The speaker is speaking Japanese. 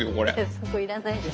そこいらないでしょ。